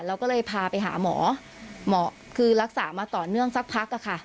เราก็เลยพาไปหาหมอหมอคือรักษามาต่อเนื่องสักพักอะค่ะ